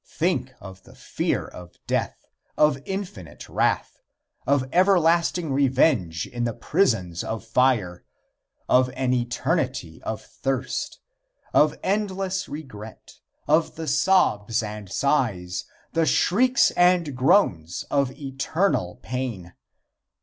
Think of the fear of death, of infinite wrath, of everlasting revenge in the prisons of fire, of an eternity, of thirst, of endless regret, of the sobs and sighs, the shrieks and groans of eternal pain!